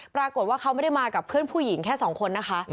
ปรากฏว่าเขาไม่ได้มากับเพื่อนผู้หญิงแค่สองคนนะคะ